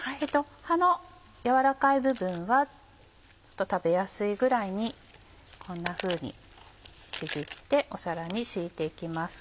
葉の軟らかい部分は食べやすいぐらいにこんなふうにちぎって皿に敷いて行きます。